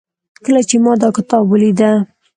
کله چې ما دا کتاب وليده